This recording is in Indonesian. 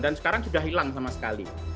dan sekarang sudah hilang sama sekali